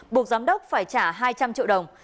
buộc giám đốc phải trả hai trăm linh triệu đồng